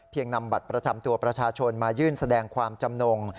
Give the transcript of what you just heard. นำบัตรประจำตัวประชาชนมายื่นแสดงความจำนง